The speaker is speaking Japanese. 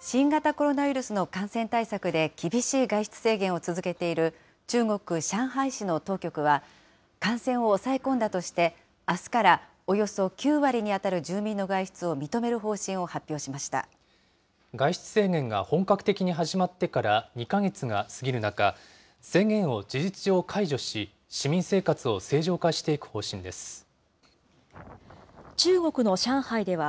新型コロナウイルスの感染対策で、厳しい外出制限を続けている中国・上海市の当局は、感染を抑え込んだとして、あすからおよそ９割に当たる住民の外出を認める方針を発表しまし外出制限が本格的に始まってから２か月が過ぎる中、制限を事実上解除し、市民生活を正常化していく方針です。